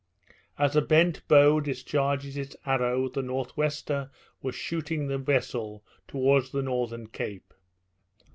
As a bent bow discharges its arrow, the nor' wester was shooting the vessel towards the northern cape.